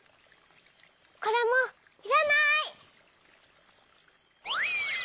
これもいらない。